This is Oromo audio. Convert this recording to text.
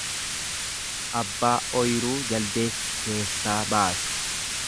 Abbaa ooyiruu jaldeessi keessaa baase.